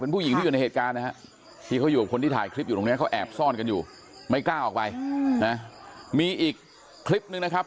ผู้หญิงที่อยู่ในเหตุการณ์นะฮะที่เขาอยู่กับคนที่ถ่ายคลิปอยู่ตรงนี้เขาแอบซ่อนกันอยู่ไม่กล้าออกไปนะมีอีกคลิปนึงนะครับ